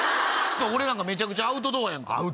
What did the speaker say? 俺めちゃくちゃアウトドアやんか。